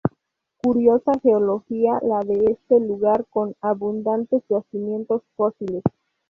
Curiosa geología la de este lugar con abundantes yacimientos fósiles.